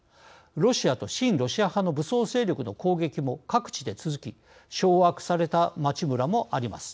ロシアと親ロシア派の武装勢力の攻撃も各地で続き掌握された町村もあります。